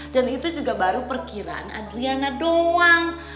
dan itu juga baru perkiraan adriana doang